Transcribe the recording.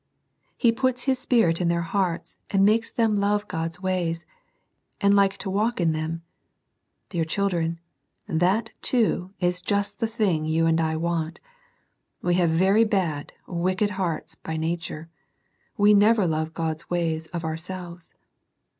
He puts His Spirit in their hearts, and makes them love God's ways, and like to walk in them. Dear children, that, too, is yi^X ^'^ ^^k^:^ ^"^^ Il6 SERMONS FOR CHILDREN. and I want We have very bad, wicked hearts, by nature. We never love God's ways of our selves.